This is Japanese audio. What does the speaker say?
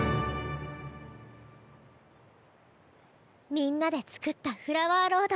みんなで作ったフラワーロード。